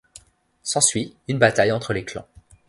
S'ensuit une bataille entre les clans.